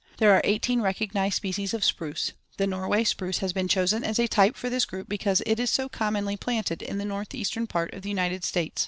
There are eighteen recognized species of spruce. The Norway spruce has been chosen as a type for this group because it is so commonly planted in the northeastern part of the United States.